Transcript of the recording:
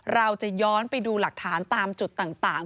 เราจะย้อนไปดูหลักฐานตามจุดต่าง